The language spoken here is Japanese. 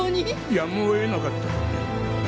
やむをえなかった。